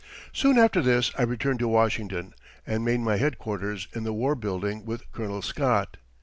] Soon after this I returned to Washington and made my headquarters in the War Building with Colonel Scott.